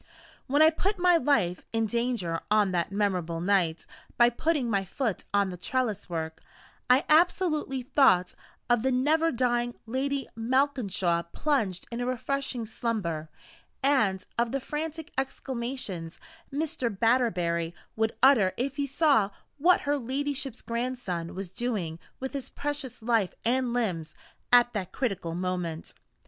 When I put my life in danger on that memorable night, by putting my foot on the trellis work, I absolutely thought of the never dying Lady Malkinshaw plunged in refreshing slumber, and of the frantic exclamations Mr. Batterbury would utter if he saw what her ladyship's grandson was doing with his precious life and limbs at that critical moment.